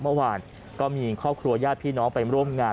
เมื่อวานก็มีครอบครัวญาติพี่น้องไปร่วมงาน